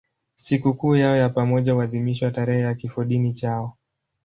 Sikukuu yao ya pamoja huadhimishwa tarehe ya kifodini chao.